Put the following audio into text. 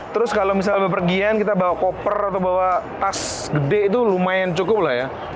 terus kalau misalnya bepergian kita bawa koper atau bawa tas gede itu lumayan cukup lah ya